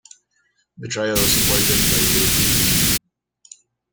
The trial was supported by European Union.